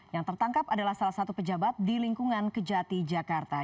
yang tertangkap adalah salah satu pejabat di lingkungan kejati jakarta